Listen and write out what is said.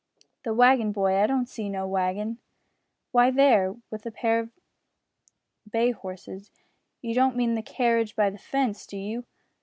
"The waggin, boy; I don't see no waggin." "Why, there, with the pair of bay horses." "You don't mean the carridge by the fence, do you?"